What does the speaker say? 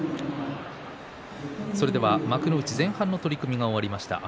幕内前半の取組が終わりました。